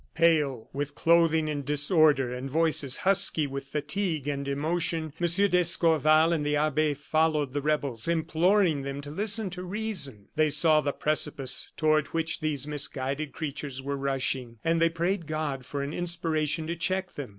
Pale, with clothing in disorder, and voices husky with fatigue and emotion, M. d'Escorval and the abbe followed the rebels, imploring them to listen to reason. They saw the precipice toward which these misguided creatures were rushing, and they prayed God for an inspiration to check them.